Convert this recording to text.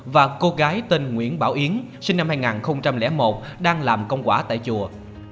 và cô gái tên nguyễn bảo yến sinh năm hai nghìn một đang làm công quả tại chùa